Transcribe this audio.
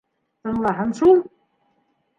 — Тыңлаһын шул.